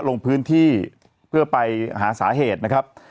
ลงพื้นที่เพื่อไปหาสาเหตุนะครับ